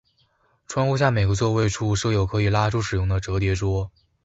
窗户下每个座位处设有可以拉出使用的折叠桌。